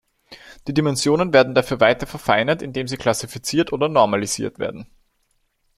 Die Dimensionen werden dafür weiter verfeinert, indem sie klassifiziert oder normalisiert werden.